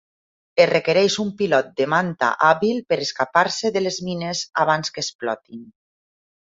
Es requereix un pilot de Manta hàbil per escapar-se de les mines abans que explotin.